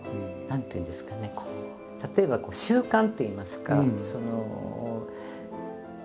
何ていうんですかねこう例えば習慣といいますかその。